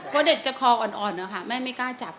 ครอดเด็กจะคออ่อนค่ะแม่ไม่กล้าจับ